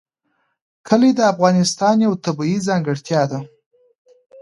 کلي د افغانستان یوه طبیعي ځانګړتیا ده.